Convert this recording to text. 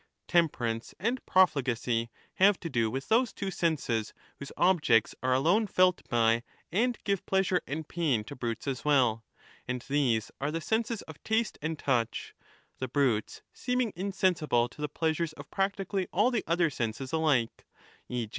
Temperance and profligacy have to do with those two senses whose objects are alone felt by and give pleasure and pain to brutes as well ; and these are the senses of taste and touch, the brutes seeming insensible to 1231^ the pleasures of practically all the other senses alike, e.